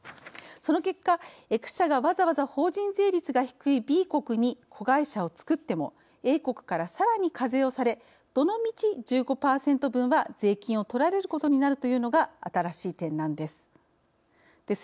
その結果Ｘ社がわざわざ法人税率が低いＢ国に子会社を作ってもＡ国から、さらに課税をされどのみち１５％分は税金を取られることになるというのが、新しい点なんです。